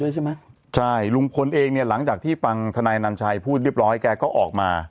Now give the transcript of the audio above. ใช่ไหมใช่ลุงพลเองเนี่ยหลังจากที่ฟังธนายนันชัยพูดเรียบร้อยแกก็ออกมา